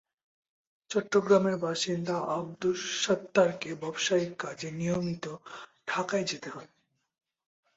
চট্টগ্রামের বাসিন্দা আবদুস সাত্তারকে ব্যবসায়িক কাজে নিয়মিত ঢাকায় যেতে হয়।